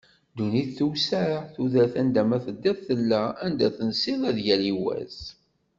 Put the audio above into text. Ddunit tewseɛ, tudert anda ma teddiḍ tella, anda tensiḍ ad yali wass.